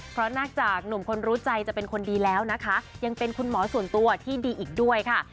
เพราะนอกจากหนุ่มคนรู้ใจจะเป็นคนดีแล้วนะคะยังเป็นคุณหมอส่วนตัวที่ดีอีกด้วยค่ะ